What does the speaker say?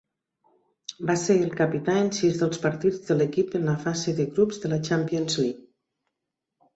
Va ser el capità en sis dels partits de l'equip en la fase de grups de la Champions League.